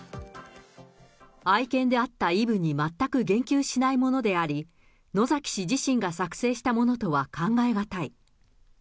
愛犬であったイブに全く言及しないものであり、野崎氏自身が作成したものとは考え難い。